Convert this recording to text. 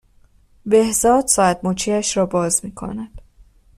بهزاد ساعت مچیش را باز میکند